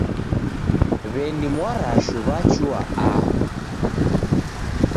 W'eni Mwarashu wachua aho.